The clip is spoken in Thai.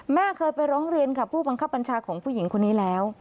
แม่เคยไปร้องเรียนกับผู้บังคับบัญชาของผู้หญิงคนนี้แล้ว